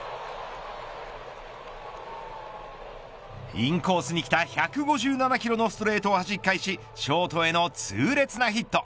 インコースにきた１５７キロのストレートをはじき返しショートへの痛烈なヒット。